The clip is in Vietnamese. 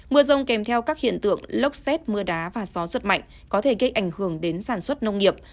mưa rông kèm theo các hiện tượng lốc xét mưa đá và gió giật mạnh có thể gây ảnh hưởng đến sản xuất nông nghiệp